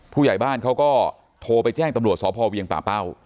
ผู้ใหญ่บ้านเขาก็โทรไปแจ้งตำรวจสพเวียงป่าเป้า